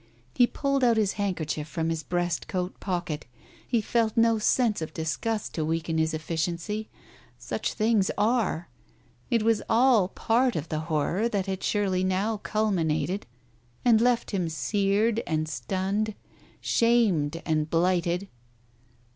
... He pulled out his handkerchief from his breast coat pocket, he felt no sense of disgust to weaken his efficiency. ... Such things are !... It was all part of the horror that had surely now culminated and left him seared and stunned, shamed and blighted.